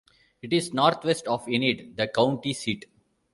It is northwest of Enid, the county seat.